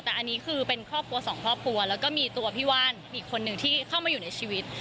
แต่อันนี้คือเป็นครอบครัวสองครอบครัวแล้วก็มีตัวพี่ว่านอีกคนนึงที่เข้ามาอยู่ในชีวิต